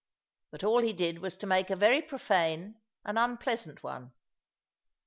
But all he did was to make a very profane and unpleasant one.